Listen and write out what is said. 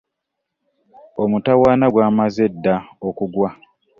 Omutawaana gwamaze dda okugwa.